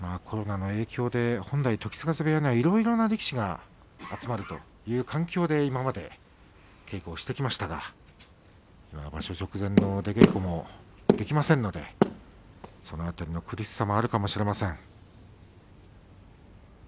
コロナの影響で本来、時津風部屋いろいろな力士が集まるという環境で、今まで稽古をしてきましたが直前の出稽古もできませんのでその辺りの苦しさもあるかもしれません。